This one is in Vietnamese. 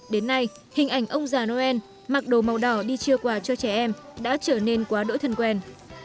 đến nay hình ảnh ông già noel mặc đồ màu đỏ đi chia quà cho trẻ em đã trở nên quá đỗi thân quen